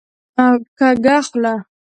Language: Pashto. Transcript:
کږه خوله